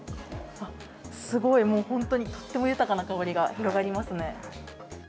あっ、すごい、もう本当に、とっても豊かな香りが広がりますね。